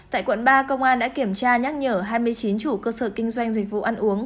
tại quận ba công an đã kiểm tra nhắc nhở hai mươi chín chủ cơ sở kinh doanh dịch vụ ăn uống